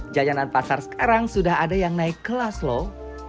jajanan pasar sekarang sudah ada yang naik kelas loh